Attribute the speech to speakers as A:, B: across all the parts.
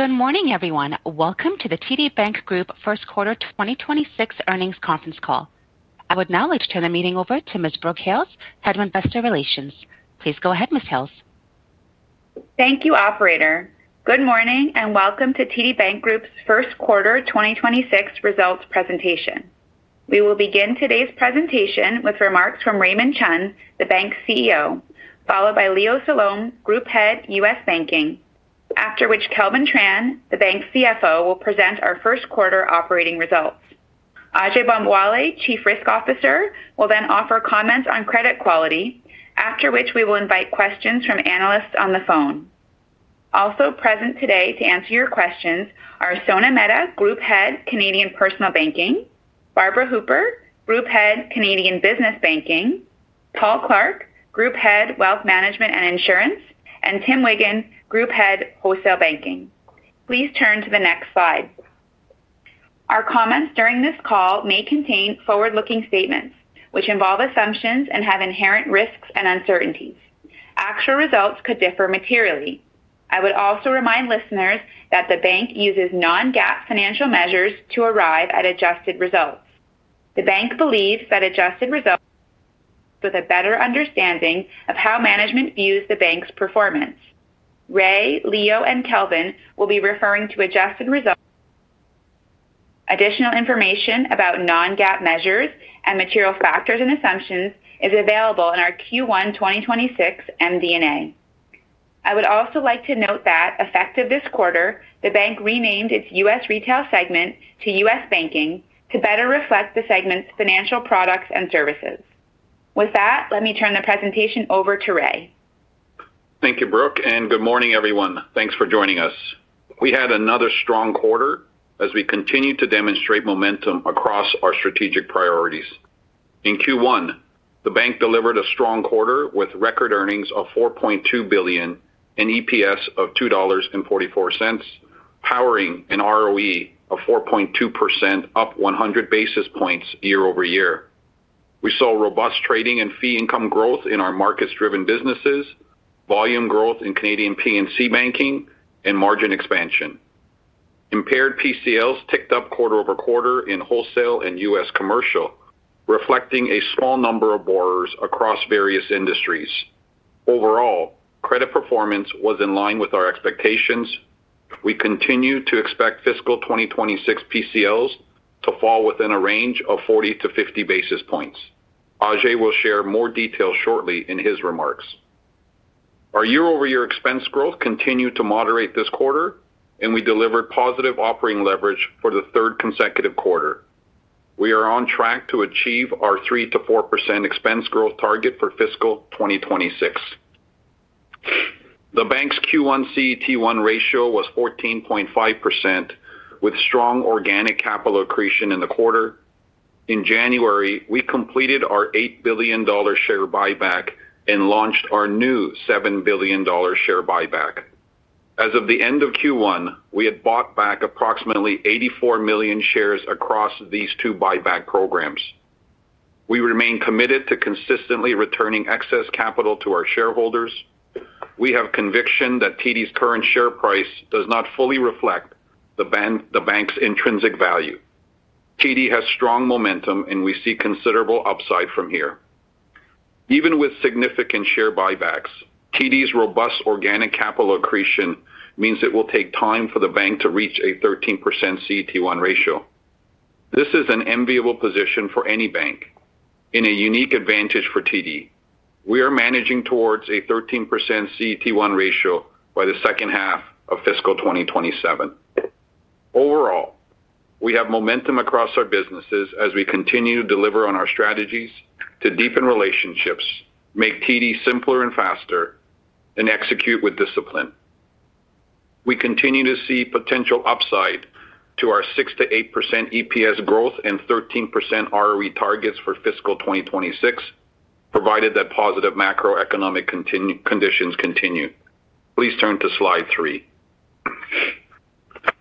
A: Good morning, everyone. Welcome to the TD Bank Group first quarter 2026 earnings conference call. I would now like to turn the meeting over to Ms. Brooke Hales, Head of Investor Relations. Please go ahead, Ms. Hales.
B: Thank you, operator. Good morning, and welcome to TD Bank Group's first quarter 2026 results presentation. We will begin today's presentation with remarks from Raymond Chun the bank's CEO, followed by Leo Salom Group Head, US Banking, after which Kelvin Tran, the bank's CFO, will present our first quarter operating results. Ajai Bambawale, Chief Risk Officer, will then offer comments on credit quality, after which we will invite questions from analysts on the phone. Also present today to answer your questions are Sona Mehta Group Head, Canadian Personal Banking; Barbara Hooper, Group Head, Canadian Business Banking; Paul Clark, Group Head, Wealth Management and Insurance; and Tim Wiggan, Group Head, Wholesale Banking. Please turn to the next slide. Our comments during this call may contain forward-looking statements, which involve assumptions and have inherent risks and uncertainties. Actual results could differ materially. I would also remind listeners that the bank uses non-GAAP financial measures to arrive at adjusted results. The bank believes that adjusted results with a better understanding of how management views the bank's performance. Ray, Leo, and Kelvin will be referring to adjusted results. Additional information about non-GAAP measures and material factors and assumptions is available in our Q1 2026 MD&A. I would also like to note that effective this quarter, the bank renamed its U.S. retail segment to US Banking to better reflect the segment's financial products and services. With that, let me turn the presentation over to Ray.
C: Thank you, Brooke, and good morning, everyone. Thanks for joining us. We had another strong quarter as we continued to demonstrate momentum across our strategic priorities. In Q1, the bank delivered a strong quarter with record earnings of 4.2 billion and EPS of 2.44 dollars, powering an ROE of 4.2%, up 100 basis points year-over-year. We saw robust trading and fee income growth in our markets-driven businesses, volume growth in Canadian P&CB banking, and margin expansion. Impaired PCLs ticked up quarter-over-quarter in wholesale and U.S. commercial, reflecting a small number of borrowers across various industries. Overall, credit performance was in line with our expectations. We continue to expect fiscal 2026 PCLs to fall within a range of 40-50 basis points. Ajai will share more details shortly in his remarks. Our year-over-year expense growth continued to moderate this quarter. We delivered positive operating leverage for the third consecutive quarter. We are on track to achieve our 3%-4% expense growth target for fiscal 2026. The bank's Q1 CET1 ratio was 14.5%, with strong organic capital accretion in the quarter. In January, we completed our $8 billion share buyback and launched our new $7 billion share buyback. As of the end of Q1, we had bought back approximately 84 million shares across these two buyback programs. We remain committed to consistently returning excess capital to our shareholders. We have conviction that TD's current share price does not fully reflect the bank's intrinsic value. TD has strong momentum. We see considerable upside from here. Even with significant share buybacks, TD's robust organic capital accretion means it will take time for the bank to reach a 13% CET1 ratio. This is an enviable position for any bank and a unique advantage for TD. We are managing towards a 13% CET1 ratio by the second half of fiscal 2027. Overall, we have momentum across our businesses as we continue to deliver on our strategies to deepen relationships, make TD simpler and faster, and execute with discipline. We continue to see potential upside to our 6%-8% EPS growth and 13% ROE targets for fiscal 2026, provided that positive macroeconomic conditions continue. Please turn to slide three.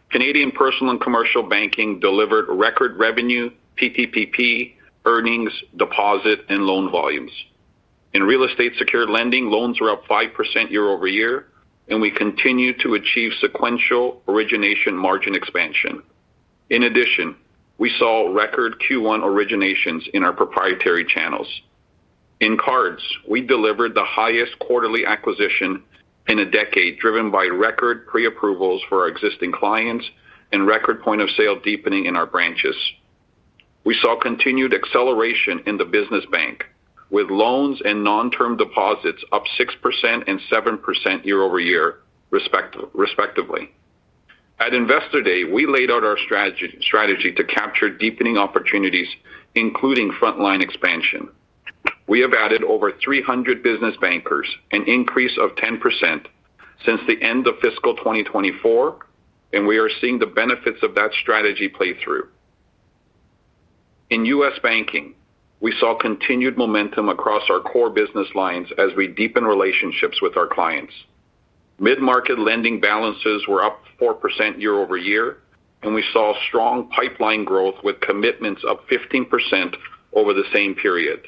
C: Canadian Personal and Commercial Banking delivered record revenue, PPPT, earnings, deposit, and loan volumes. In real estate-secured lending, loans were up 5% year-over-year, we continued to achieve sequential origination margin expansion. In addition, we saw record Q1 originations in our proprietary channels. In cards, we delivered the highest quarterly acquisition in a decade, driven by record preapprovals for our existing clients and record point-of-sale deepening in our branches. We saw continued acceleration in the business bank, with loans and non-term deposits up 6% and 7% year-over-year, respectively. At Investor Day, we laid out our strategy to capture deepening opportunities, including frontline expansion. We have added over 300 business bankers, an increase of 10% since the end of fiscal 2024, we are seeing the benefits of that strategy play through. In US Banking, we saw continued momentum across our core business lines as we deepen relationships with our clients. Mid-market lending balances were up 4% year-over-year. We saw strong pipeline growth, with commitments up 15% over the same period.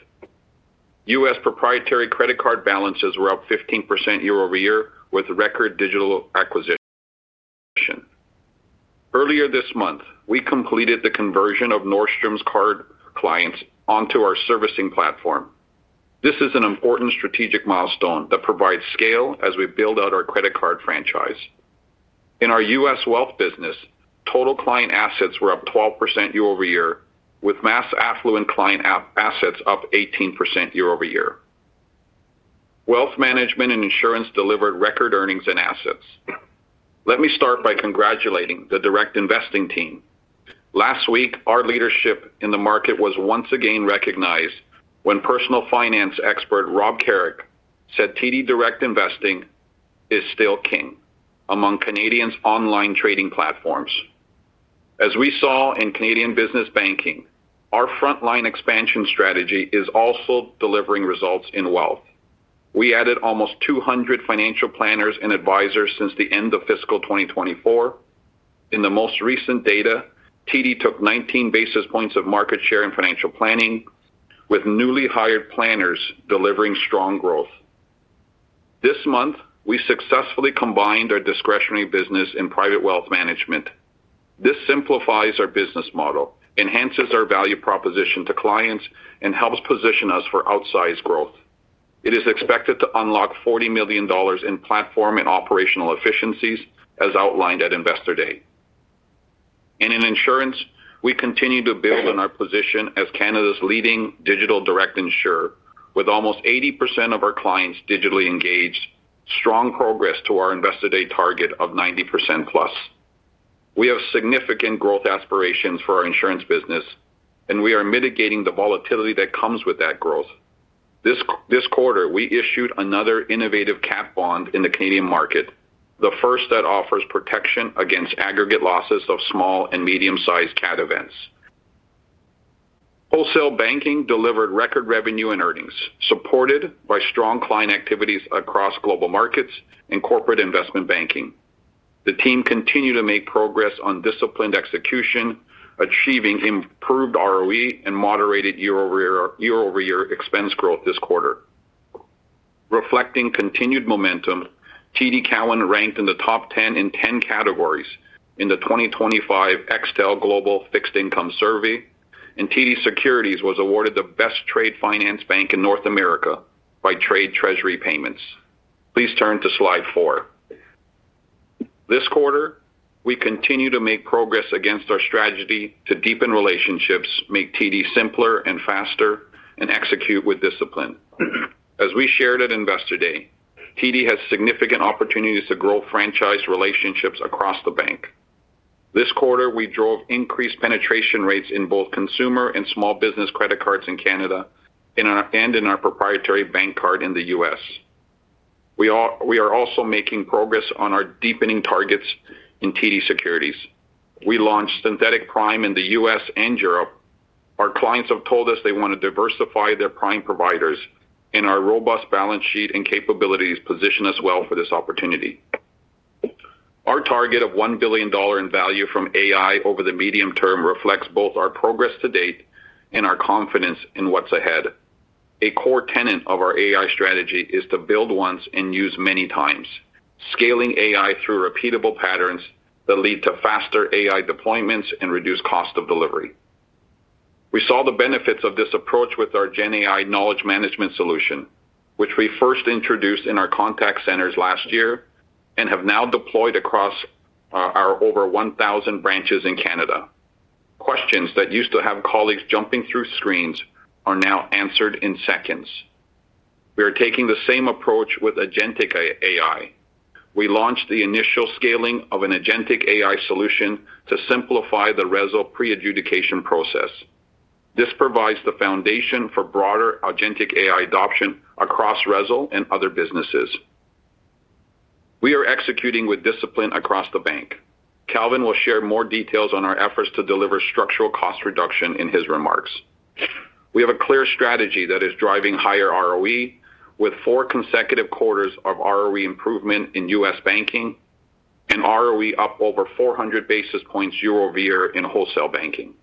C: U.S. proprietary credit card balances were up 15% year-over-year, with record digital acquisition. Earlier this month, we completed the conversion of Nordstrom's card clients onto our servicing platform. This is an important strategic milestone that provides scale as we build out our credit card franchise. In our U.S. wealth business, total client assets were up 12% year-over-year, with mass affluent client app assets up 18% year-over-year. Wealth management and insurance delivered record earnings and assets. Let me start by congratulating the Direct Investing team. Last week, our leadership in the market was once again recognized when personal finance expert, Rob Carrick, said, "TD Direct Investing is still king among Canadians' online trading platforms." As we saw in Canadian business banking, our frontline expansion strategy is also delivering results in wealth. We added almost 200 financial planners and advisors since the end of fiscal 2024. In the most recent data, TD took 19 basis points of market share in financial planning, with newly hired planners delivering strong growth. This month, we successfully combined our discretionary business and private wealth management. This simplifies our business model, enhances our value proposition to clients, and helps position us for outsized growth. It is expected to unlock 40 million dollars in platform and operational efficiencies, as outlined at Investor Day. In insurance, we continue to build on our position as Canada's leading digital direct insurer, with almost 80% of our clients digitally engaged, strong progress to our Investor Day target of 90%+. We have significant growth aspirations for our insurance business, and we are mitigating the volatility that comes with that growth. This quarter, we issued another innovative cat bond in the Canadian market, the first that offers protection against aggregate losses of small and medium-sized cat events. Wholesale Banking delivered record revenue and earnings, supported by strong client activities across Global Markets and Corporate Investment Banking. The team continued to make progress on disciplined execution, achieving improved ROE and moderated year-over-year expense growth this quarter. Reflecting continued momentum, TD Cowen ranked in the top 10 in 10 categories in the 2025 Extel Global Fixed Income Survey. TD Securities was awarded the Best Trade Finance Bank in North America by Trade Treasury Payments. Please turn to slide four. This quarter, we continue to make progress against our strategy to deepen relationships, make TD simpler and faster, and execute with discipline. As we shared at Investor Day, TD has significant opportunities to grow franchise relationships across the bank. This quarter, we drove increased penetration rates in both consumer and small business credit cards in Canada, in our proprietary bank card in the U.S. We are also making progress on our deepening targets in TD Securities. We launched synthetic prime in the U.S. and Europe. Our clients have told us they want to diversify their prime providers, our robust balance sheet and capabilities position us well for this opportunity. Our target of $1 billion in value from AI over the medium term reflects both our progress to date and our confidence in what's ahead. A core tenet of our AI strategy is to build once and use many times, scaling AI through repeatable patterns that lead to faster AI deployments and reduced cost of delivery. We saw the benefits of this approach with our GenAI knowledge management solution, which we first introduced in our contact centers last year and have now deployed across our over 1,000 branches in Canada. Questions that used to have colleagues jumping through screens are now answered in seconds. We are taking the same approach with agentic AI. We launched the initial scaling of an agentic AI solution to simplify the RESL pre-adjudication process. This provides the foundation for broader agentic AI adoption across RESL and other businesses. We are executing with discipline across the bank. Kelvin will share more details on our efforts to deliver structural cost reduction in his remarks. We have a clear strategy that is driving higher ROE, with 4 consecutive quarters of ROE improvement in US Banking and ROE up over 400 basis points year-over-year in Wholesale Banking.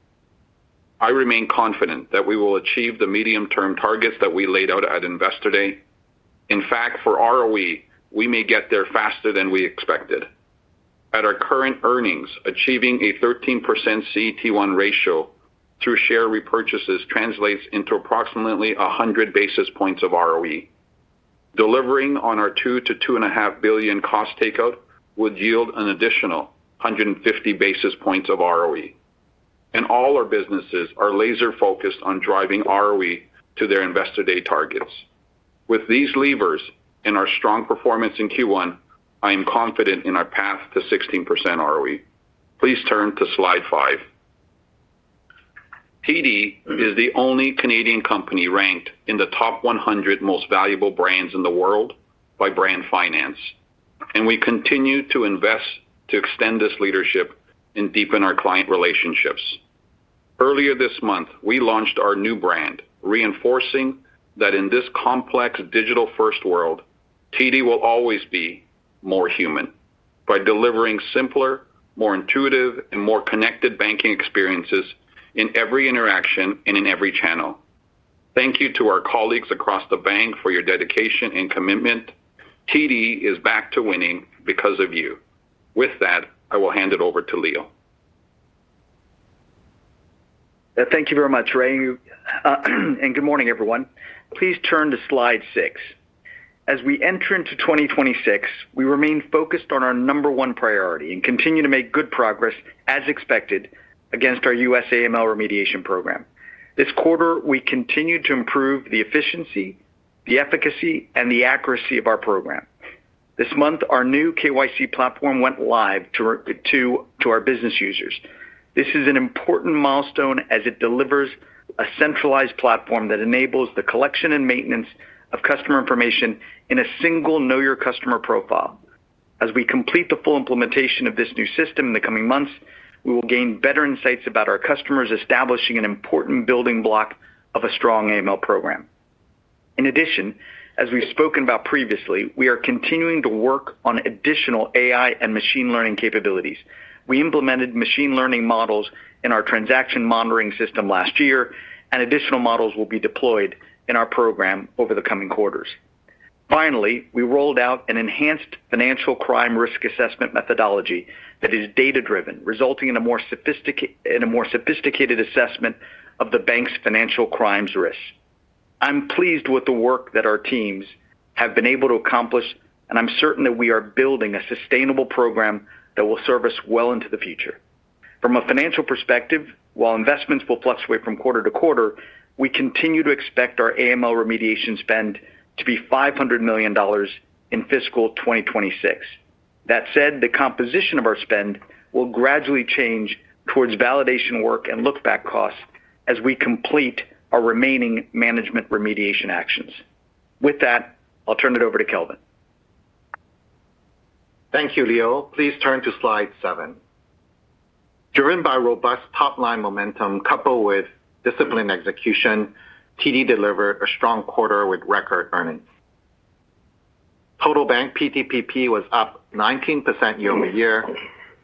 C: I remain confident that we will achieve the medium-term targets that we laid out at Investor Day. In fact, for ROE, we may get there faster than we expected. At our current earnings, achieving a 13% CET1 ratio through share repurchases translates into approximately 100 basis points of ROE. Delivering on our $2 billion-$2.5 billion cost takeout would yield an additional 150 basis points of ROE. All our businesses are laser-focused on driving ROE to their Investor Day targets. With these levers and our strong performance in Q1, I am confident in our path to 16% ROE. Please turn to slide 5. TD is the only Canadian company ranked in the top 100 most valuable brands in the world by Brand Finance, and we continue to invest to extend this leadership and deepen our client relationships. Earlier this month, we launched our new brand, reinforcing that in this complex digital-first world, TD will always be more human, by delivering simpler, more intuitive, and more connected banking experiences in every interaction and in every channel. Thank you to our colleagues across the bank for your dedication and commitment. TD is back to winning because of you. With that, I will hand it over to Leo.
D: Thank you very much, Ray, and good morning, everyone. Please turn to slide 6. As we enter into 2026, we remain focused on our number one priority and continue to make good progress as expected against our U.S. AML remediation program. This quarter, we continued to improve the efficiency, the efficacy, and the accuracy of our program. This month, our new KYC platform went live to our business users. This is an important milestone as it delivers a centralized platform that enables the collection and maintenance of customer information in a single know your customer profile. As we complete the full implementation of this new system in the coming months, we will gain better insights about our customers, establishing an important building block of a strong AML program. In addition, as we've spoken about previously, we are continuing to work on additional AI and machine learning capabilities. We implemented machine learning models in our transaction monitoring system last year, additional models will be deployed in our program over the coming quarters. Finally, we rolled out an enhanced financial crime risk assessment methodology that is data-driven, resulting in a more sophisticated assessment of the bank's financial crimes risk. I'm pleased with the work that our teams have been able to accomplish, and I'm certain that we are building a sustainable program that will serve us well into the future. From a financial perspective, while investments will fluctuate from quarter to quarter, we continue to expect our AML remediation spend to be $500 million in fiscal 2026. That said, the composition of our spend will gradually change towards validation work and look-back costs as we complete our remaining management remediation actions. With that, I'll turn it over to Kelvin.
E: Thank you, Leo. Please turn to slide seven. Driven by robust top-line momentum, coupled with disciplined execution, TD delivered a strong quarter with record earnings. Total Bank PTPP was up 19% year-over-year,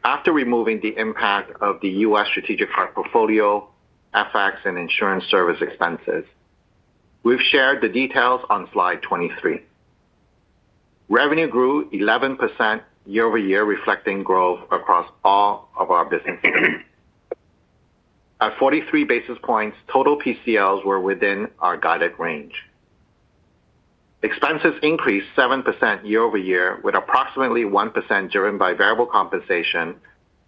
E: after removing the impact of the US strategic card portfolio, FX and insurance service expenses. We've shared the details on slide 23. Revenue grew 11% year-over-year, reflecting growth across all of our businesses. At 43 basis points, total PCLs were within our guided range. Expenses increased 7% year-over-year, with approximately 1% driven by variable compensation,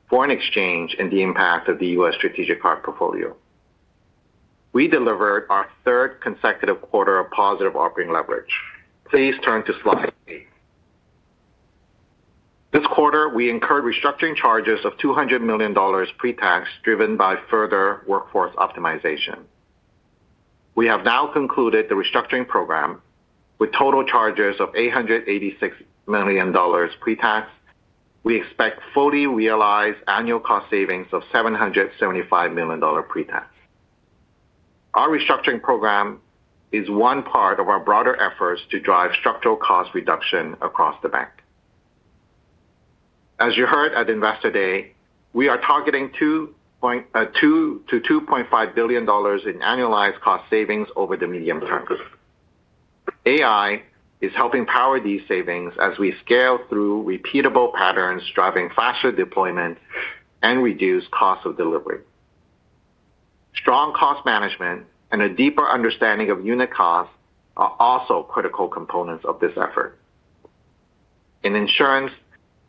E: foreign exchange, and the impact of the US strategic card portfolio. We delivered our third consecutive quarter of positive operating leverage. Please turn to slide 8. This quarter, we incurred restructuring charges of 200 million dollars pre-tax, driven by further workforce optimization. We have now concluded the restructuring program with total charges of 886 million dollars pre-tax. We expect fully realized annual cost savings of 775 million dollar pre-tax. Our restructuring program is one part of our broader efforts to drive structural cost reduction across the bank. As you heard at Investor Day, we are targeting 2.2 billion-2.5 billion dollars in annualized cost savings over the medium term. AI is helping power these savings as we scale through repeatable patterns, driving faster deployment and reduce costs of delivery. Strong cost management and a deeper understanding of unit costs are also critical components of this effort. In insurance,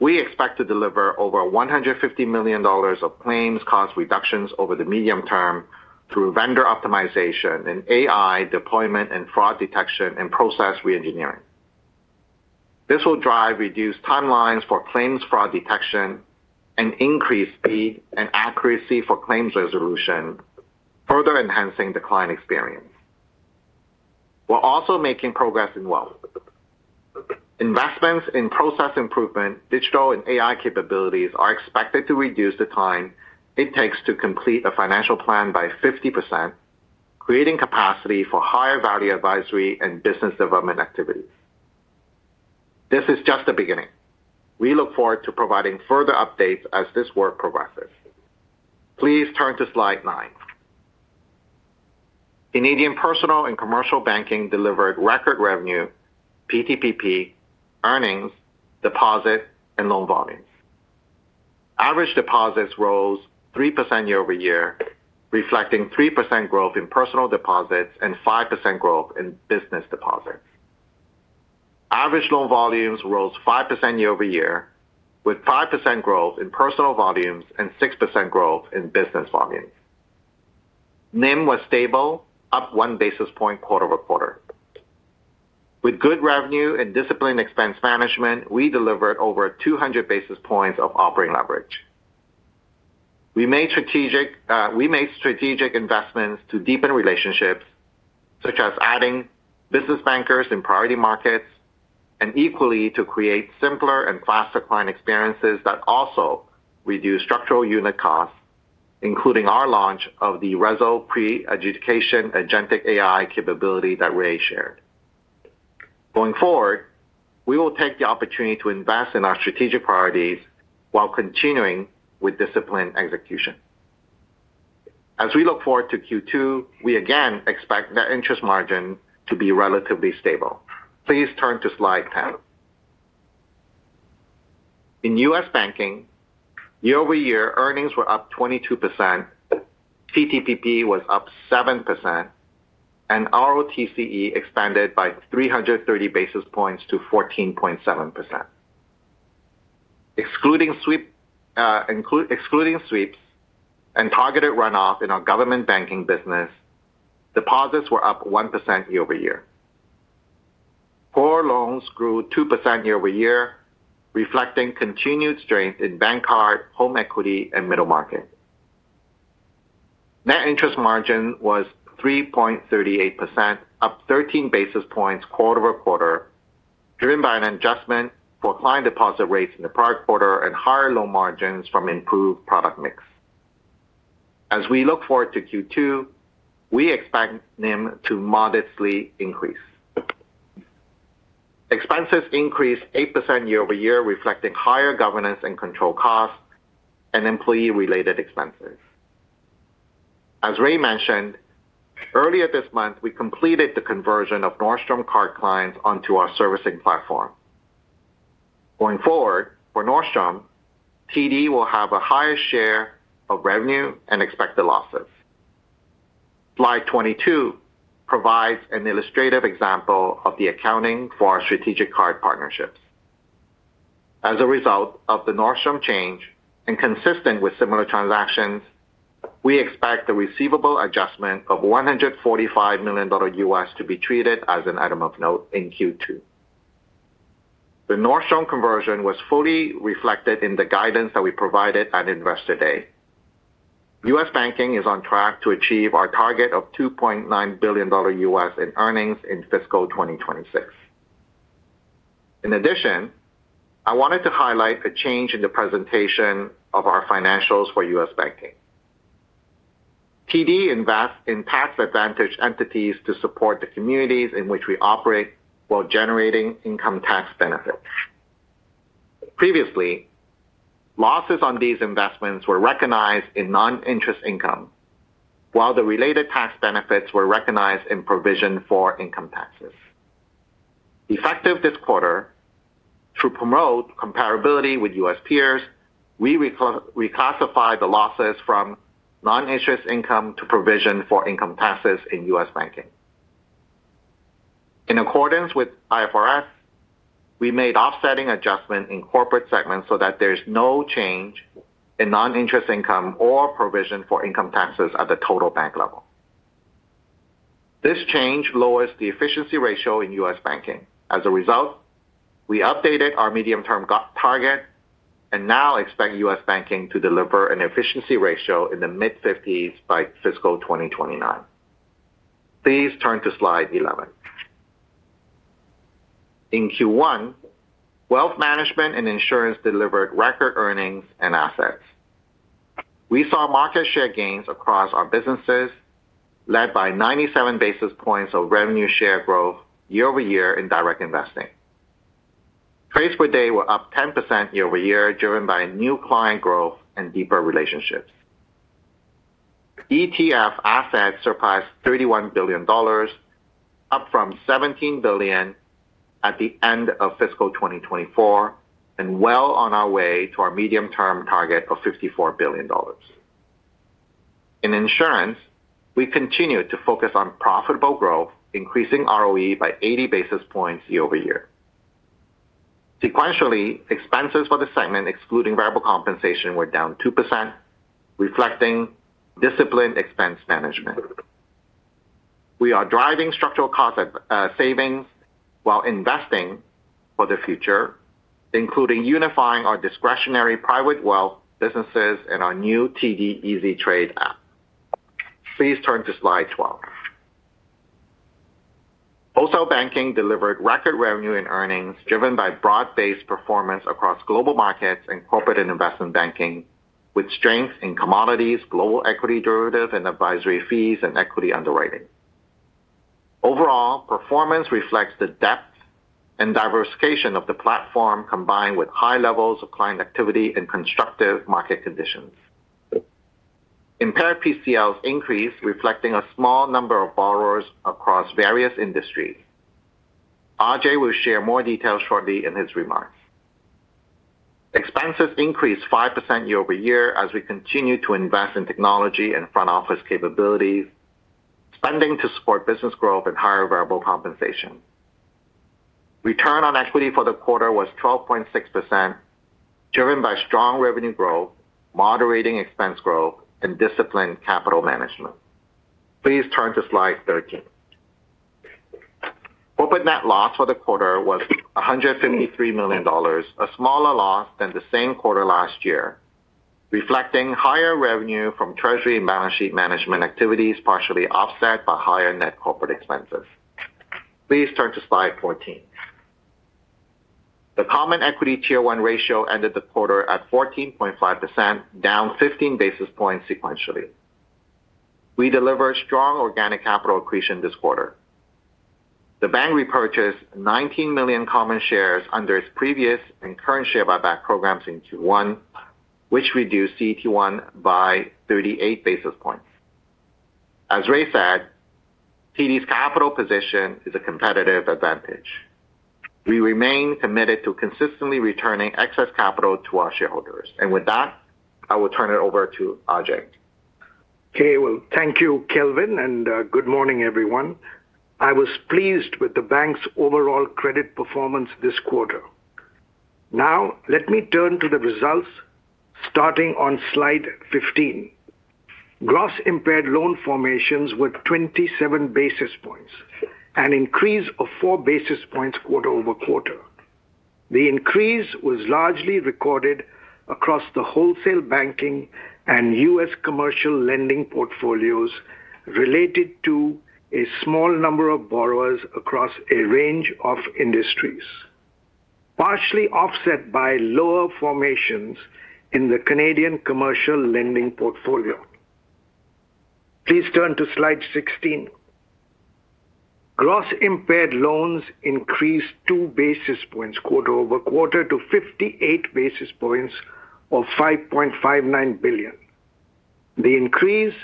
E: we expect to deliver over 150 million dollars of claims cost reductions over the medium term through vendor optimization and AI deployment and fraud detection and process reengineering. This will drive reduced timelines for claims fraud detection and increase speed and accuracy for claims resolution, further enhancing the client experience. We're also making progress in Wealth. Investments in process improvement, digital and AI capabilities are expected to reduce the time it takes to complete a financial plan by 50%, creating capacity for higher value advisory and business development activities. This is just the beginning. We look forward to providing further updates as this work progresses. Please turn to slide nine. Canadian Personal and Commercial Banking delivered record revenue, PTPP, earnings, deposit, and loan volumes. Average deposits rose 3% year-over-year, reflecting 3% growth in personal deposits and 5% growth in business deposits. Average loan volumes rose 5% year-over-year, with 5% growth in personal volumes and 6% growth in business volumes. NIM was stable, up 1 basis point quarter-over-quarter. With good revenue and disciplined expense management, we delivered over 200 basis points of operating leverage. We made strategic investments to deepen relationships, such as adding business bankers in priority markets and equally to create simpler and faster client experiences that also reduce structural unit costs, including our launch of the RESL pre-adjudication agentic AI capability that Ray shared. Going forward, we will take the opportunity to invest in our strategic priorities while continuing with disciplined execution. As we look forward to Q2, we again expect net interest margin to be relatively stable. Please turn to slide 10. In US Banking, year-over-year earnings were up 22%, PTPP was up 7%, and ROTCE expanded by 330 basis points to 14.7%. Excluding sweeps and targeted runoff in our government banking business, deposits were up 1% year-over-year. Core loans grew 2% year-over-year, reflecting continued strength in bank card, home equity, and middle market. Net interest margin was 3.38%, up 13 basis points quarter-over-quarter, driven by an adjustment for client deposit rates in the prior quarter and higher loan margins from improved product mix. As we look forward to Q2, we expect NIM to modestly increase. Expenses increased 8% year-over-year, reflecting higher governance and control costs and employee-related expenses. As Ray mentioned, earlier this month, we completed the conversion of Nordstrom card clients onto our servicing platform. Going forward, for Nordstrom, TD will have a higher share of revenue and expected losses. Slide 22 provides an illustrative example of the accounting for our strategic card partnerships. As a result of the Nordstrom change and consistent with similar transactions, we expect a receivable adjustment of $145 million to be treated as an item of note in Q2. The Nordstrom conversion was fully reflected in the guidance that we provided at Investor Day. US banking is on track to achieve our target of $2.9 billion in earnings in fiscal 2026. In addition, I wanted to highlight a change in the presentation of our financials for US banking. TD invest in tax advantage entities to support the communities in which we operate while generating income tax benefits. Previously, losses on these investments were recognized in non-interest income, while the related tax benefits were recognized in provision for income taxes. Effective this quarter, to promote comparability with U.S. peers, we reclassify the losses from non-interest income to provision for income taxes in US Banking. In accordance with IFRS, we made offsetting adjustment in corporate segments so that there's no change in non-interest income or provision for income taxes at the total bank level. This change lowers the efficiency ratio in US Banking. As a result, we updated our medium-term ROE target and now expect US Banking to deliver an efficiency ratio in the mid-fifties by fiscal 2029. Please turn to slide 11. In Q1, wealth management and insurance delivered record earnings and assets. We saw market share gains across our businesses, led by 97 basis points of revenue share growth year-over-year in Direct Investing. Trades per day were up 10% year-over-year, driven by new client growth and deeper relationships. ETF assets surpassed CAD 31 billion, up from CAD 17 billion at the end of fiscal 2024, and well on our way to our medium-term target of 54 billion dollars. In insurance, we continued to focus on profitable growth, increasing ROE by 80 basis points year-over-year. Sequentially, expenses for the segment, excluding variable compensation, were down 2%, reflecting disciplined expense management. We are driving structural cost savings while investing for the future, including unifying our discretionary private wealth businesses and our new TD Easy Trade app. Please turn to slide 12. Wholesale Banking delivered record revenue and earnings, driven by broad-based performance across global markets and corporate and investment banking, with strength in commodities, global equity derivative and advisory fees and equity underwriting. Overall, performance reflects the depth and diversification of the platform, combined with high levels of client activity and constructive market conditions. Impaired PCLs increased, reflecting a small number of borrowers across various industries. Ajai will share more details shortly in his remarks. Expenses increased 5% year-over-year as we continued to invest in technology and front-office capabilities, spending to support business growth and higher variable compensation. Return on equity for the quarter was 12.6%, driven by strong revenue growth, moderating expense growth, and disciplined capital management. Please turn to slide 13. Corporate net loss for the quarter was 153 million dollars, a smaller loss than the same quarter last year, reflecting higher revenue from treasury and balance sheet management activities, partially offset by higher net corporate expenses. Please turn to slide 14. The common equity Tier One ratio ended the quarter at 14.5%, down 15 basis points sequentially. We delivered strong organic capital accretion this quarter. The bank repurchased 19 million common shares under its previous and current share buyback programs in Q1, which reduced CET1 by 38 basis points. As Ray said, TD's capital position is a competitive advantage. We remain committed to consistently returning excess capital to our shareholders. With that, I will turn it over to Ajai.
F: Okay. Well, thank you, Kelvin, good morning, everyone. I was pleased with the bank's overall credit performance this quarter. Let me turn to the results starting on slide 15. Gross impaired loan formations were 27 basis points, an increase of four basis points quarter-over-quarter. The increase was largely recorded across the wholesale banking and U.S. commercial lending portfolios related to a small number of borrowers across a range of industries, partially offset by lower formations in the Canadian commercial lending portfolio. Please turn to slide 16. Gross impaired loans increased two basis points quarter-over-quarter to 58 basis points, or 5.59 billion. The increase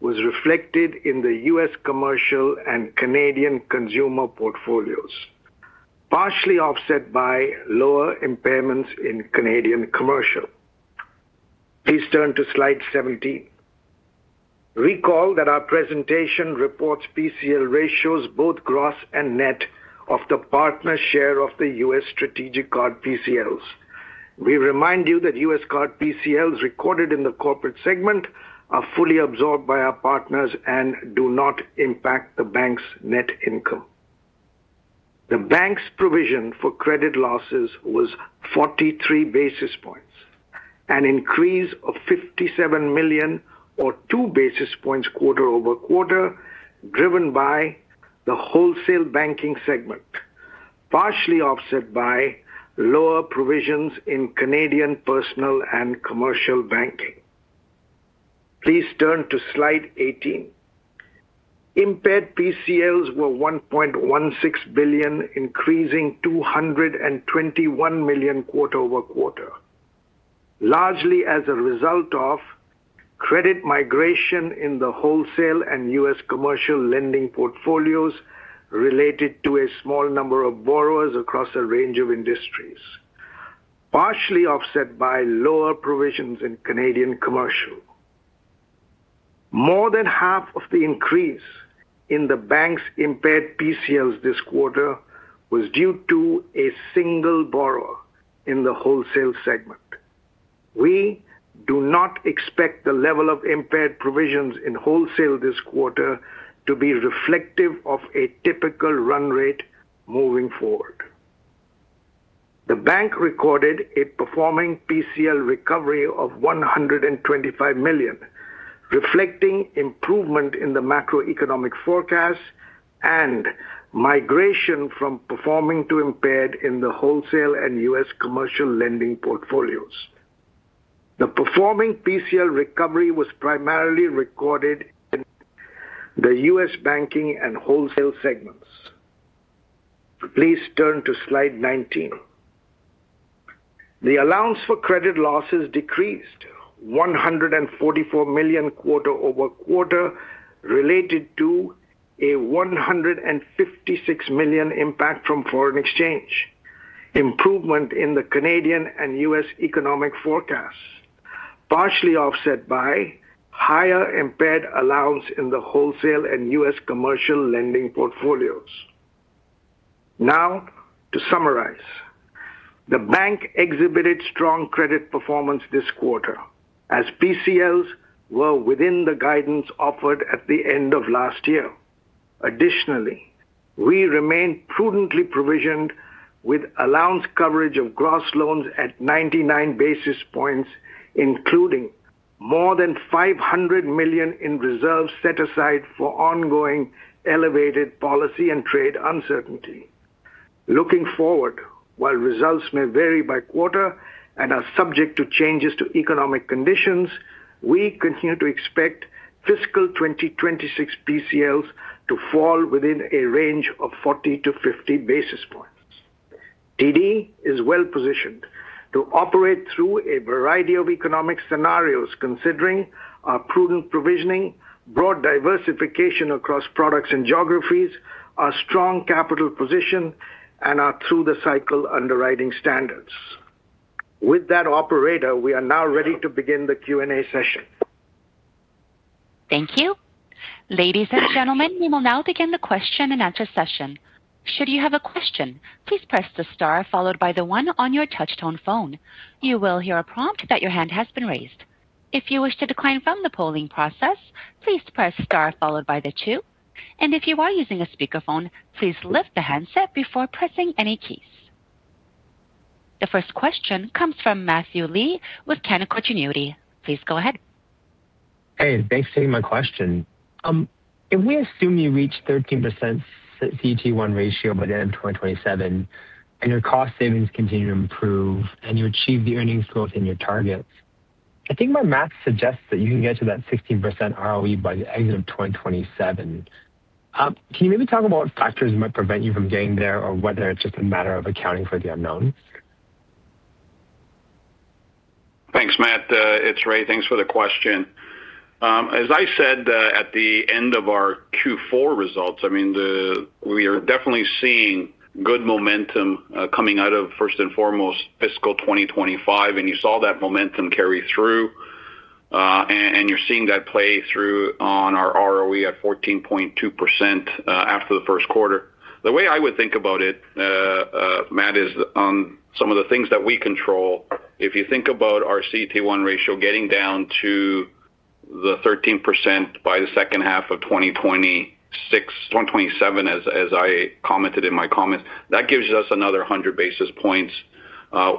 F: was reflected in the U.S. commercial and Canadian consumer portfolios, partially offset by lower impairments in Canadian commercial. Please turn to slide 17. Recall that our presentation reports PCLs ratios, both gross and net, of the partner share of the U.S. strategic card PCLs. We remind you that U.S. card PCLs recorded in the corporate segment are fully absorbed by our partners and do not impact the bank's net income. The bank's provision for credit losses was 43 basis points, an increase of 57 million, or 2 basis points quarter-over-quarter, driven by the Wholesale Banking segment, partially offset by lower provisions in Canadian Personal and Commercial Banking. Please turn to slide 18. Impaired PCLs were 1.16 billion, increasing 221 million quarter-over-quarter, largely as a result of credit migration in the wholesale and U.S. commercial lending portfolios related to a small number of borrowers across a range of industries, partially offset by lower provisions in Canadian Commercial. More than half of the increase in the bank's impaired PCLs this quarter was due to a single borrower in the wholesale segment. We do not expect the level of impaired provisions in wholesale this quarter to be reflective of a typical run rate moving forward. The bank recorded a performing PCL recovery of 125 million, reflecting improvement in the macroeconomic forecast and migration from performing to impaired in the wholesale and U.S. commercial lending portfolios. The performing PCL recovery was primarily recorded in the US Banking and wholesale segments. Please turn to slide 19. The allowance for credit losses decreased 144 million quarter-over-quarter, related to a 156 million impact from foreign exchange, improvement in the Canadian and U.S. economic forecasts, partially offset by higher impaired allowance in the wholesale and U.S. commercial lending portfolios. To summarize, the bank exhibited strong credit performance this quarter as PCLs were within the guidance offered at the end of last year. We remain prudently provisioned with allowance coverage of gross loans at 99 basis points, including more than 500 million in reserves set aside for ongoing elevated policy and trade uncertainty. Looking forward, while results may vary by quarter and are subject to changes to economic conditions, we continue to expect fiscal 2026 PCLs to fall within a range of 40-50 basis points. TD is well positioned to operate through a variety of economic scenarios considering our prudent provisioning, broad diversification across products and geographies, our strong capital position, and our through the cycle underwriting standards. Operator, we are now ready to begin the Q&A session.
A: Thank you. Ladies and gentlemen, we will now begin the question and answer session. Should you have a question, please press the star followed by the one on your touchtone phone. You will hear a prompt that your hand has been raised. If you wish to decline from the polling process, please press star followed by the two. If you are using a speakerphone, please lift the handset before pressing any keys. The first question comes from Matthew Lee with Canaccord Genuity. Please go ahead.
G: Hey, thanks for taking my question. If we assume you reach 13% CET1 ratio by the end of 2027, and your cost savings continue to improve, and you achieve the earnings growth in your targets, I think my math suggests that you can get to that 16% ROE by the end of 2027. Can you maybe talk about what factors might prevent you from getting there or whether it's just a matter of accounting for the unknowns?
C: Thanks, Matt. It's Ray. Thanks for the question. As I said, at the end of our Q4 results, I mean, we are definitely seeing good momentum, coming out of first and foremost, fiscal 2025, and you saw that momentum carry through. You're seeing that play through on our ROE at 14.2%, after the first quarter. The way I would think about it, Matt, is on some of the things that we control. If you think about our CET1 ratio getting down to the 13% by the second half of 2026, 2027, as I commented in my comments, that gives us another 100 basis points.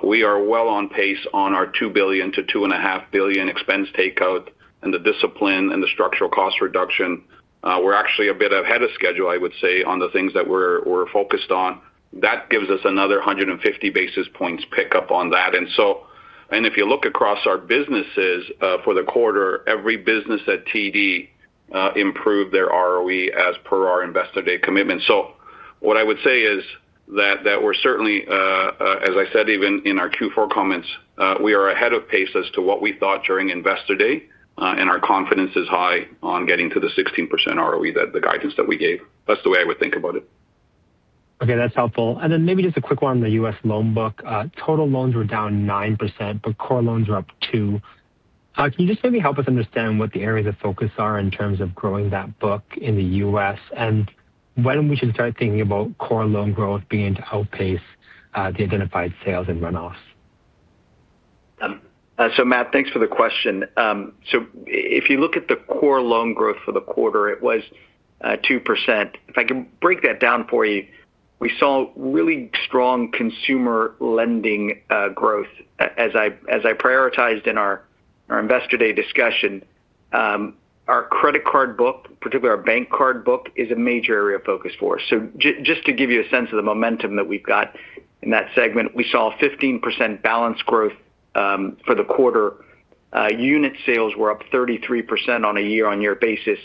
C: We are well on pace on our 2 billion-2.5 billion expense takeout and the discipline and the structural cost reduction. We're actually a bit ahead of schedule, I would say, on the things that we're focused on. That gives us another 150 basis points pick up on that. If you look across our businesses, for the quarter, every business at TD improved their ROE as per our Investor Day commitment. What I would say is that we're certainly, as I said, even in our Q4 comments, we are ahead of pace as to what we thought during Investor Day, and our confidence is high on getting to the 16% ROE, that the guidance that we gave. That's the way I would think about it.
G: Okay, that's helpful. Maybe just a quick one on the U.S. loan book. Total loans were down 9%, but core loans are up 2%. Can you just maybe help us understand what the areas of focus are in terms of growing that book in the U.S.? When we should start thinking about core loan growth beginning to outpace the identified sales and runoffs?
D: Matt, thanks for the question. If you look at the core loan growth for the quarter, it was 2%. If I can break that down for you, we saw really strong consumer lending growth. As I, as I prioritized in our Investor Day discussion, our credit card book, particularly our bank card book, is a major area of focus for us. Just to give you a sense of the momentum that we've got in that segment, we saw a 15% balance growth for the quarter. Unit sales were up 33% on a year-on-year basis.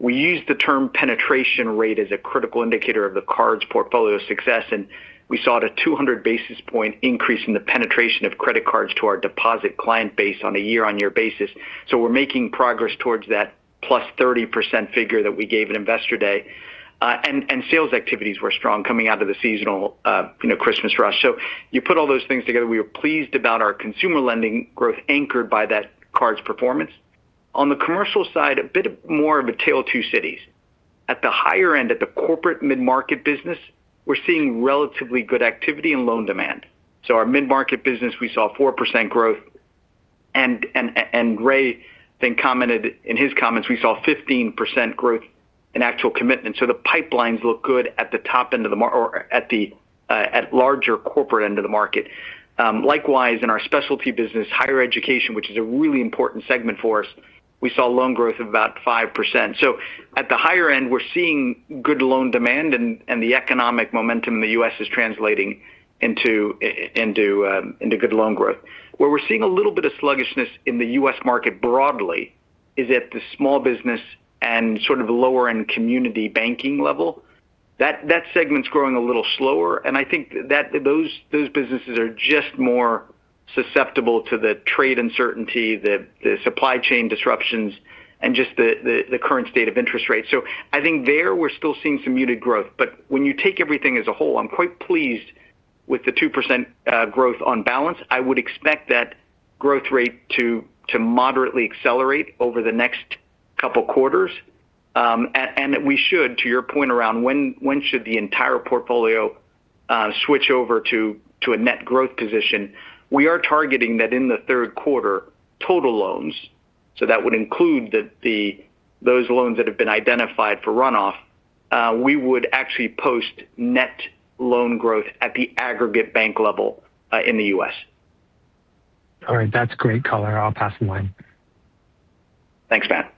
D: We use the term penetration rate as a critical indicator of the cards portfolio success, and we saw at a 200 basis point increase in the penetration of credit cards to our deposit client base on a year-on-year basis. We're making progress towards that +30% figure that we gave at Investor Day. Sales activities were strong coming out of the seasonal, you know, Christmas rush. You put all those things together, we were pleased about our consumer lending growth anchored by that cards performance. On the commercial side, a bit of more of a tale of two cities. At the higher end, at the corporate mid-market business, we're seeing relatively good activity in loan demand. Our mid-market business, we saw 4% growth. Ray then commented in his comments, we saw 15% growth in actual commitment. The pipelines look good at the top end of the or at the larger corporate end of the market. Likewise, in our specialty business, higher education, which is a really important segment for us, we saw loan growth of about 5%. At the higher end, we're seeing good loan demand and the economic momentum in the U.S. is translating into good loan growth. Where we're seeing a little bit of sluggishness in the U.S. market broadly is at the small business and sort of lower-end community banking level. That segment's growing a little slower, and I think that those businesses are just more susceptible to the trade uncertainty, the supply chain disruptions, and just the current state of interest rates. I think there, we're still seeing some muted growth. When you take everything as a whole, I'm quite pleased with the 2% growth on balance. I would expect that growth rate to moderately accelerate over the next couple quarters. We should, to your point around when should the entire portfolio switch over to a net growth position, we are targeting that in the third quarter, total loans. That would include the those loans that have been identified for runoff, we would actually post net loan growth at the aggregate bank level, in the U.S.
G: All right. That's great color. I'll pass the line.
D: Thanks, Matt.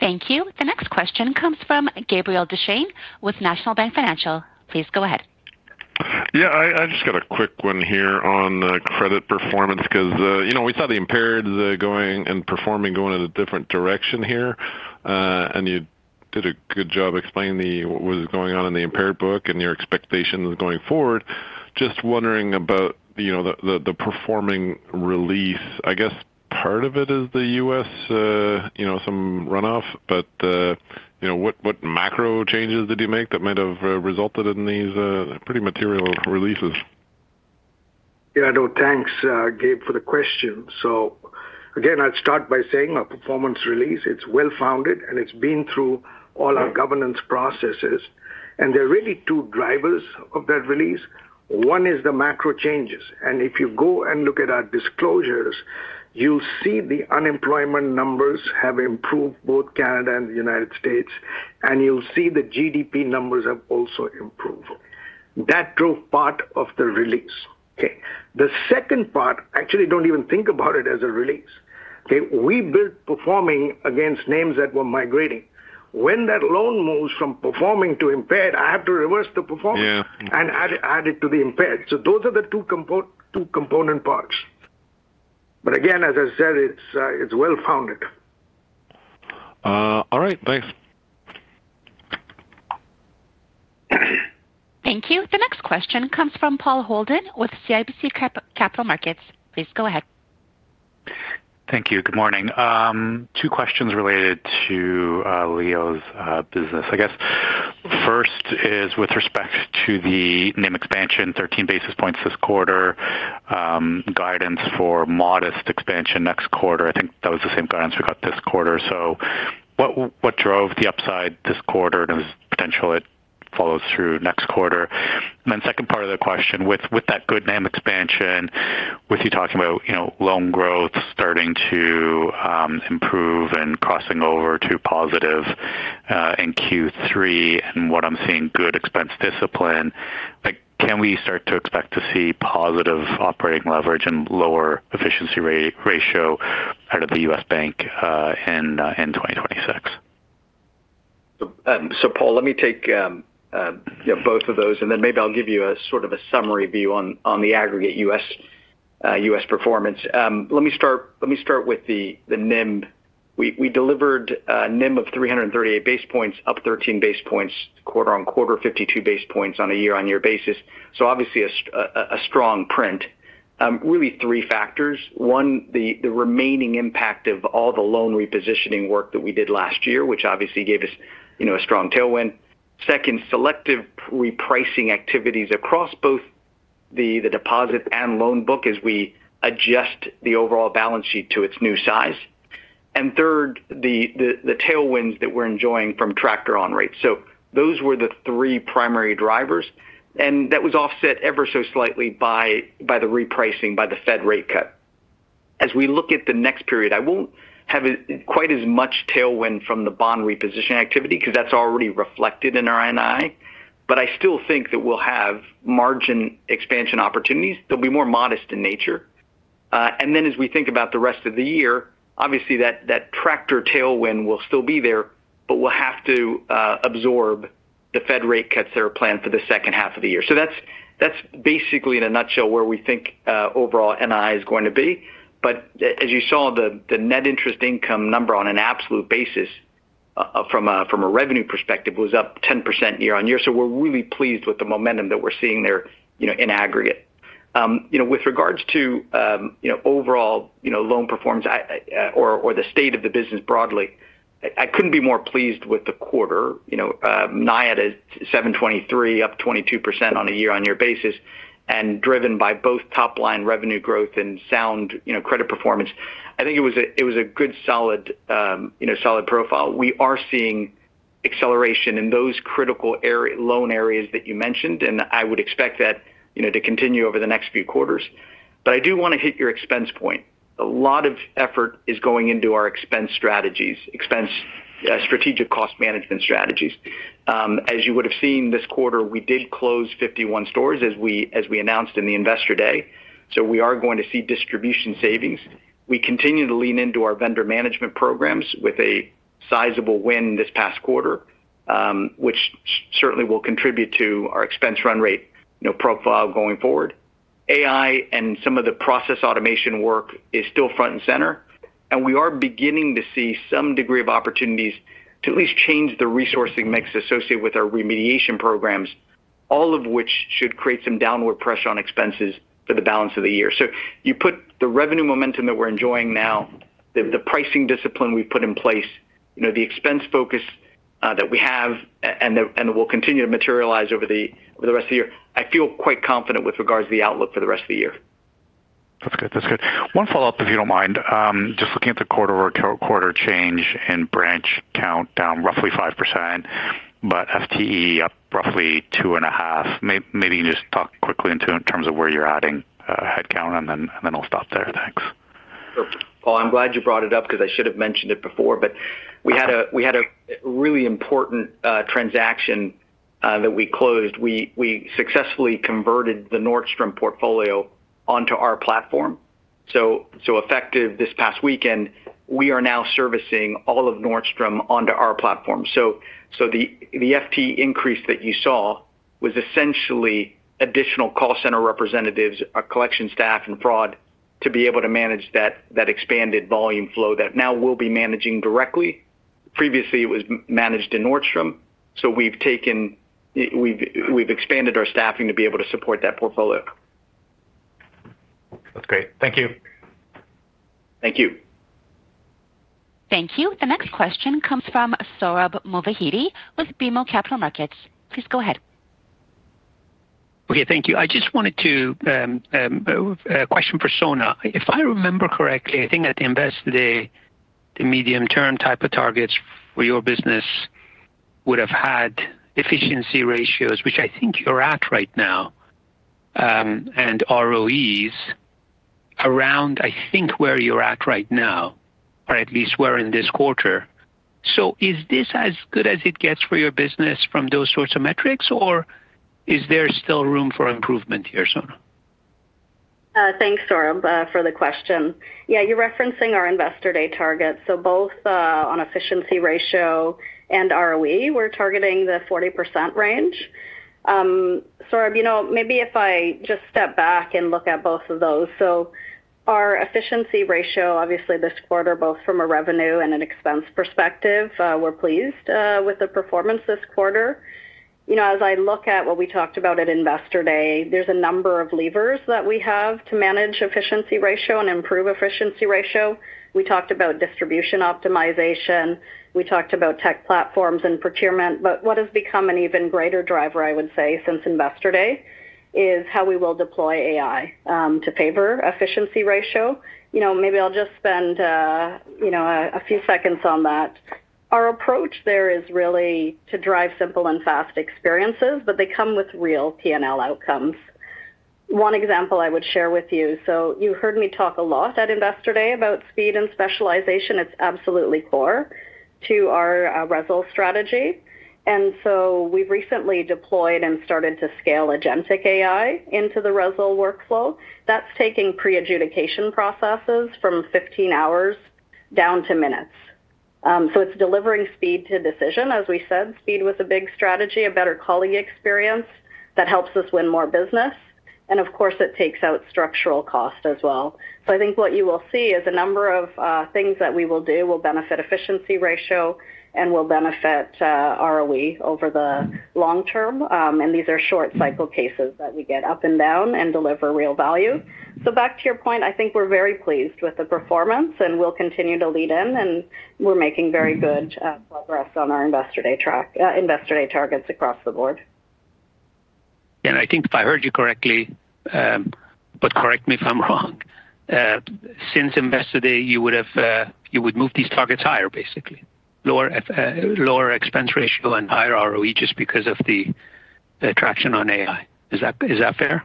A: Thank you. The next question comes from Gabriel Dechaine with National Bank Financial. Please go ahead.
H: I just got a quick one here on the credit performance, because, you know, we saw the impaired going and performing, going in a different direction here. You did a good job explaining the, what was going on in the impaired book and your expectations going forward. Just wondering about, you know, the, the performing release. I guess part of it is the U.S., you know, some runoff, you know, what macro changes did you make that might have resulted in these pretty material releases?
F: No, thanks, Gabe, for the question. Again, I'd start by saying our performance release, it's well-founded, and it's been through all our governance processes. There are really two drivers of that release. One is the macro changes. If you go and look at our disclosures, you'll see the unemployment numbers have improved both Canada and the United States. You'll see the GDP numbers have also improved. That drove part of the release. Okay? The second part, actually don't even think about it as a release, okay? We built performing against names that were migrating. When that loan moves from performing to impaired, I have to reverse the performance-
H: Yeah.
F: add it to the impaired. Those are the two component parts. Again, as I said, it's well-founded.
H: All right, bye.
A: Thank you. The next question comes from Paul Holden with CIBC Capital Markets. Please go ahead.
I: Thank you. Good morning. Two questions related to Leo's business. I guess, first is with respect to the NIM expansion, 13 basis points this quarter, guidance for modest expansion next quarter. I think that was the same guidance we got this quarter. What drove the upside this quarter, and there's potential it follows through next quarter? Second part of the question, with that good NIM expansion, with you talking about, you know, loan growth starting to improve and crossing over to positive in Q3, and what I'm seeing good expense discipline, like, can we start to expect to see positive operating leverage and lower efficiency ratio out of the US Bank in 2026?
D: Paul, let me take, you know, both of those, and then maybe I'll give you a sort of a summary view on the aggregate U.S. performance. Let me start with the NIM. We delivered a NIM of 338 basis points, up 13 basis points quarter-on-quarter, 52 basis points on a year-on-year basis. Obviously a strong print. Really three factors. One, the remaining impact of all the loan repositioning work that we did last year, which obviously gave us, you know, a strong tailwind. Second, selective repricing activities across both the deposit and loan book as we adjust the overall balance sheet to its new size. Third, the tailwinds that we're enjoying from tracker on rates. Those were the three primary drivers, and that was offset ever so slightly by the repricing, by the Fed rate cut. As we look at the next period, I won't have quite as much tailwind from the bond reposition activity because that's already reflected in our NII, but I still think that we'll have margin expansion opportunities. They'll be more modest in nature. And then as we think about the rest of the year, obviously, that tracker tailwind will still be there, but we'll have to absorb the Fed rate cuts that are planned for the second half of the year. That's basically in a nutshell where we think overall NII is going to be. As you saw, the net interest income number on an absolute basis, from a, from a revenue perspective, was up 10% year-on-year. We're really pleased with the momentum that we're seeing there, you know, in aggregate. You know, with regards to, you know, overall, you know, loan performance, I, or the state of the business broadly, I couldn't be more pleased with the quarter. You know, NII at 723, up 22% on a year-on-year basis, driven by both top-line revenue growth and sound, you know, credit performance. I think it was a good, solid, you know, solid profile. We are seeing acceleration in those critical loan areas that you mentioned, I would expect that, you know, to continue over the next few quarters. I do want to hit your expense point. A lot of effort is going into our expense strategies, expense, strategic cost management strategies. As you would have seen this quarter, we did close 51 stores as we announced in the Investor Day, we are going to see distribution savings. We continue to lean into our vendor management programs with a sizable win this past quarter, which certainly will contribute to our expense run rate, you know, profile going forward. AI and some of the process automation work is still front and center, and we are beginning to see some degree of opportunities to at least change the resourcing mix associated with our remediation programs, all of which should create some downward pressure on expenses for the balance of the year. You put the revenue momentum that we're enjoying now, the pricing discipline we've put in place, you know, the expense focus that we have and will continue to materialize over the rest of the year, I feel quite confident with regards to the outlook for the rest of the year.
I: That's good. One follow-up, if you don't mind. Just looking at the quarter-over-quarter change and branch count down roughly 5%. FTE up roughly 2.5%. Maybe just talk quickly in terms of where you're adding headcount, and then I'll stop there. Thanks.
D: Sure. Paul, I'm glad you brought it up because I should have mentioned it before.
I: Okay.
D: We had a really important transaction that we closed. We successfully converted the Nordstrom portfolio onto our platform. Effective this past weekend, we are now servicing all of Nordstrom onto our platform. The FTE increase that you saw was essentially additional call center representatives, our collection staff, and fraud to be able to manage that expanded volume flow that now we'll be managing directly. Previously, it was managed in Nordstrom, we've expanded our staffing to be able to support that portfolio.
I: That's great. Thank you.
D: Thank you.
A: Thank you. The next question comes from Sohrab Movahedi with BMO Capital Markets. Please go ahead.
J: Okay, thank you. I just wanted to, a question for Sona. If I remember correctly, I think at the Investor Day, the medium-term type of targets for your business would have had efficiency ratios, which I think you're at right now, and ROEs around, I think, where you're at right now, or at least we're in this quarter. Is this as good as it gets for your business from those sorts of metrics, or is there still room for improvement here, Sona?
K: Thanks, Sohrab, for the question. Yeah, you're referencing our Investor Day targets. Both on efficiency ratio and ROE, we're targeting the 40% range. Sohrab, you know, maybe if I just step back and look at both of those. Our efficiency ratio, obviously, this quarter, both from a revenue and an expense perspective, we're pleased with the performance this quarter. You know, as I look at what we talked about at Investor Day, there's a number of levers that we have to manage efficiency ratio and improve efficiency ratio. We talked about distribution optimization, we talked about tech platforms and procurement, but what has become an even greater driver, I would say, since Investor Day, is how we will deploy AI to favor efficiency ratio. You know, maybe I'll just spend, you know, a few seconds on that. Our approach there is really to drive simple and fast experiences, but they come with real P&L outcomes. One example I would share with you heard me talk a lot at Investor Day about speed and specialization. It's absolutely core to our RESL strategy. We've recently deployed and started to scale agentic AI into the RESL workflow. That's taking pre-adjudication processes from 15 hours down to minutes. It's delivering speed to decision. As we said, speed was a big strategy, a better colleague experience that helps us win more business, and of course, it takes out structural cost as well. I think what you will see is a number of things that we will do will benefit efficiency ratio and will benefit ROE over the long term. These are short cycle cases that we get up and down and deliver real value. Back to your point, I think we're very pleased with the performance, and we'll continue to lean in, and we're making very good progress on our Investor Day track, Investor Day targets across the board.
J: I think if I heard you correctly, but correct me if I'm wrong, since Investor Day, you would have, you would move these targets higher, basically. Lower expense ratio and higher ROE just because of the traction on AI. Is that fair?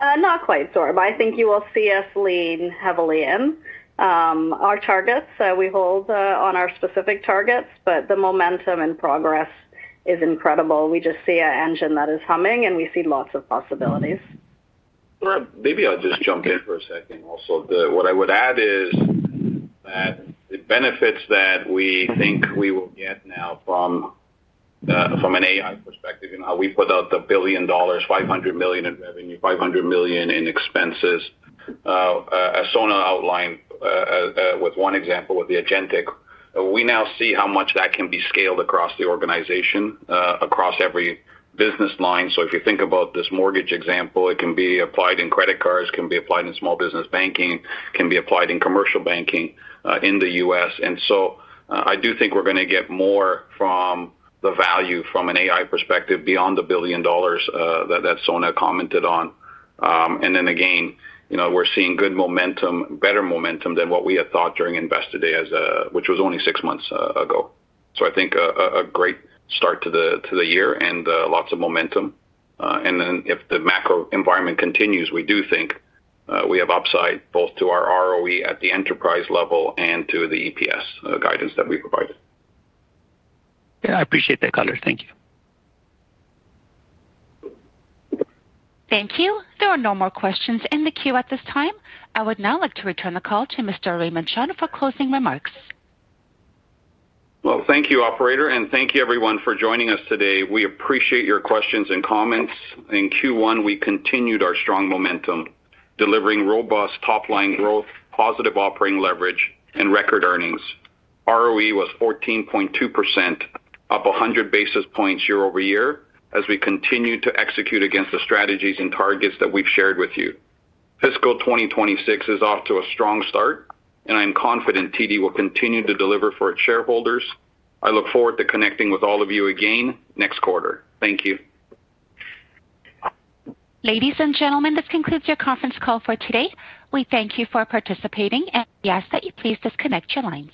K: Not quite, Sohrab. I think you will see us lean heavily in, our targets, we hold, on our specific targets, but the momentum and progress is incredible. We just see an engine that is humming, and we see lots of possibilities.
C: Sohrab, maybe I'll just jump in for a second also. What I would add is that the benefits that we think we will get now from an AI perspective, you know, we put out $1 billion, $500 million in revenue, $500 million in expenses. As Sona outlined, with one example, with the agentic, we now see how much that can be scaled across the organization, across every business line. If you think about this mortgage example, it can be applied in credit cards, can be applied in small business banking, can be applied in commercial banking, in the U.S. I do think we're gonna get more from the value from an AI perspective beyond the $1 billion that Sona commented on. Again, you know, we're seeing good momentum, better momentum than what we had thought during Investor Day as, which was only 6 months ago. I think a great start to the year and lots of momentum. If the macro environment continues, we do think, we have upside both to our ROE at the enterprise level and to the EPS guidance that we provided.
J: Yeah, I appreciate that color. Thank you.
A: Thank you. There are no more questions in the queue at this time. I would now like to return the call to Mr. Raymond Chun for closing remarks.
C: Well, thank you, operator, thank you everyone for joining us today. We appreciate your questions and comments. In Q1, we continued our strong momentum, delivering robust top-line growth, positive operating leverage, and record earnings. ROE was 14.2%, up 100 basis points year-over-year, as we continued to execute against the strategies and targets that we've shared with you. Fiscal 2026 is off to a strong start, I'm confident TD will continue to deliver for its shareholders. I look forward to connecting with all of you again next quarter. Thank you.
A: Ladies and gentlemen, this concludes your conference call for today. We thank you for participating. We ask that you please disconnect your lines.